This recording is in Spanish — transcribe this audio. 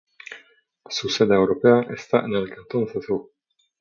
Su sede europea está en el cantón de Zug.